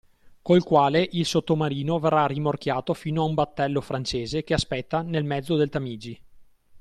Col quale il sottomarino verrà rimorchiato fino a un battello francese che aspetta, nel mezzo del Tamigi… .